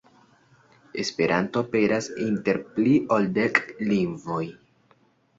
Esperanto aperas inter pli ol dek lingvoj.